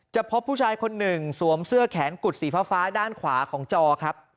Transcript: พบผู้ชายคนหนึ่งสวมเสื้อแขนกุดสีฟ้าด้านขวาของจอครับ